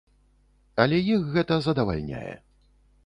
Але іх гэта задавальняе.